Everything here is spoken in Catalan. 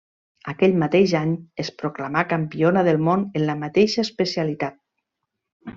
Aquell mateix any es proclamà Campiona del món en la mateixa especialitat.